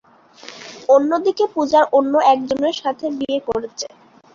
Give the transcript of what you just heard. অন্যদিকে পূজার অন্য একজনের সাথে বিয়ে করছে।